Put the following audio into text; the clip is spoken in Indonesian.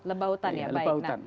lebah hutan ya baik